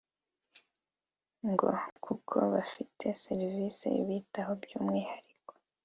ngo kuko bafite serivisi ibitaho by’umwihariko